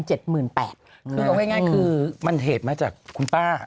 คือเอาง่ายคือมันเหตุมาจากคุณป้า